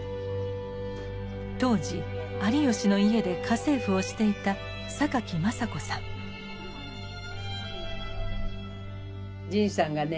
当時有吉の家で家政婦をしていた神さんがね